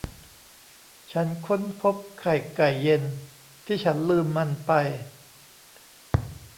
ฉันค้นพบไข่ไก่เย็นที่ฉันลืมมันไป